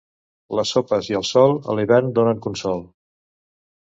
Les sopes i el sol a l'hivern donen consol.